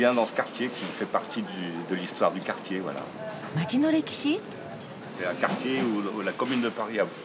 街の歴史？